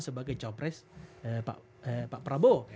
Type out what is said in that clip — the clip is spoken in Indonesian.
sebagai cowok pres pak prabowo